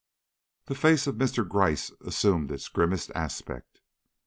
The face of Mr. Gryce assumed its grimmest aspect.